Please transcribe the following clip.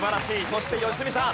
そして良純さん。